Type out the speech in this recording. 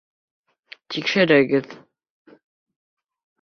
Тикшерегеҙ.